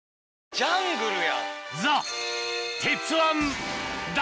ジャングルやん。